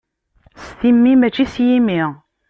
S timmi mačči s yimi.